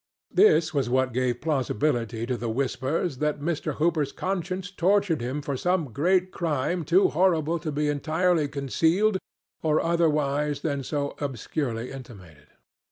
This was what gave plausibility to the whispers that Mr. Hooper's conscience tortured him for some great crime too horrible to be entirely concealed or otherwise than so obscurely intimated.